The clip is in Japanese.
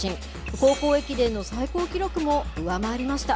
高校駅伝の最高記録も上回りました。